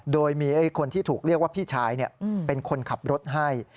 โดยมีคนที่ถูกเรียกว่าพี่ชายเป็นคนขับรถให้